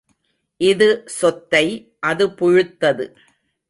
இது சொத்தை அது புழுத்தது.